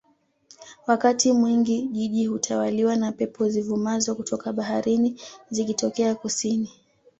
Wakati mwingi jiji hutawaliwa na pepo zivumazo toka baharini zikitokea Kusini